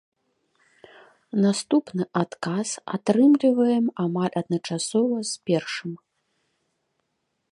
Наступны адказ атрымліваем амаль адначасова з першым.